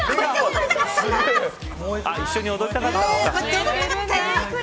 一緒に踊りたかったの。